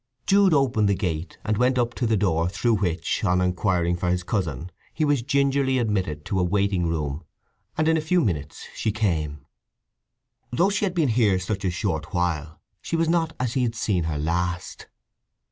Jude opened the gate and went up to the door through which, on inquiring for his cousin, he was gingerly admitted to a waiting room, and in a few minutes she came. Though she had been here such a short while, she was not as he had seen her last.